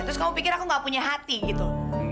terus kamu pikir aku gak punya hati gitu